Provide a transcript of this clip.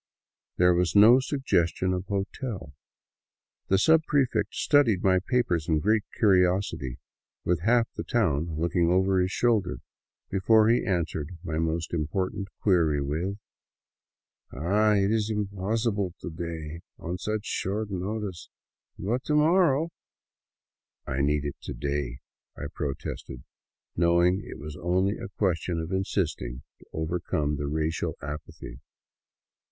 There was no suggestion of hotel. The subprefect studied my papers in great curiosity, with half the town looking over his shoul der, before he answered my most important query with: " Ah, it is impossible to day, on such short notice. But to mor row —"*' I need it to day," I protested, knowing it was only a question of insisting, to overcome the racial apathy.